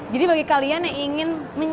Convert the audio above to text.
jadi bagi kalian yang ingin still like video ini